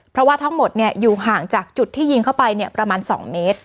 เพราะว่าทั้งหมดอยู่ห่างจากจุดที่ยิงเข้าไปประมาณ๒เมตร